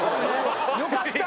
よかった！